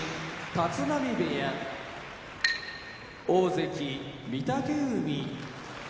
立浪部屋大関・御嶽海